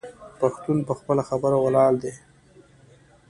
پښتون په خپله خبره ولاړ دی.